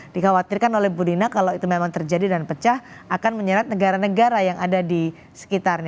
dikhawatirkan oleh bu dina kalau itu memang terjadi dan pecah akan menyeret negara negara yang ada di sekitarnya